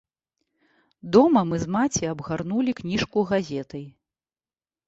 Дома мы з маці абгарнулі кніжку газетай.